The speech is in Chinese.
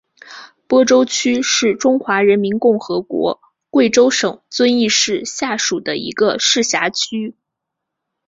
播州区是中华人民共和国贵州省遵义市下属的一个市辖区。